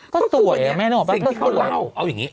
ก็สวยแม่นึกออกปะสิ่งที่เขาเล่าเอาอย่างนี้